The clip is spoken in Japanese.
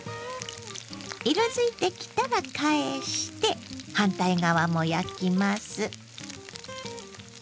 色づいてきたら返して反対側も焼きます。